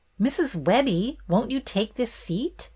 "Mrs. Webbie, won't you take this seat?"